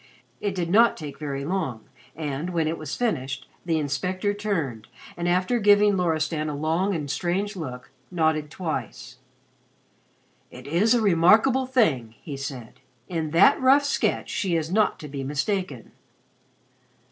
It did not take very long and, when it was finished, the inspector turned, and after giving Loristan a long and strange look, nodded twice. "It is a remarkable thing," he said. "In that rough sketch she is not to be mistaken."